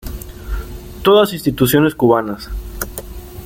Todas instituciones cubanas